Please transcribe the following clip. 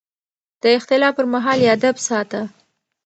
د اختلاف پر مهال يې ادب ساته.